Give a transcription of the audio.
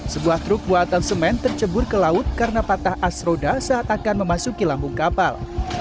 sebuah truk buatan semen tercebur ke laut karena patah as roda saat akan memasuki lambung kapal